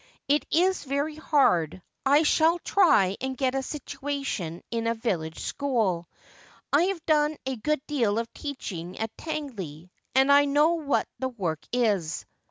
It is very hard. I ehall try and get a situation in a village school. I have done a good deal of teaching at Tangley, and I know what the work is.'